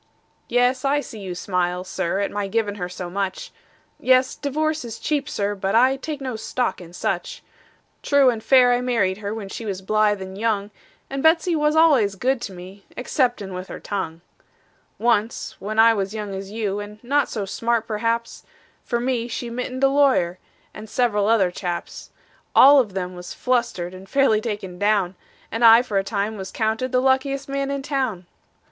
Yes, I see you smile, Sir, at my givin' her so much; Yes, divorce is cheap, Sir, but I take no stock in such! True and fair I married her, when she was blithe and young; And Betsey was al'ays good to me, exceptin' with her tongue. [ image not found: CarleFarmB 19, CarleFarmB 19 ] Once, when I was young as you, and not so smart, perhaps, For me she mittened a lawyer, and several other chaps; And all of them was flustered, and fairly taken down, And I for a time was counted the luckiest man in town.